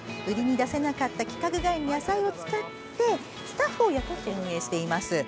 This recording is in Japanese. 売りに出せなかった規格外の野菜を使ってスタッフを雇って運営しています。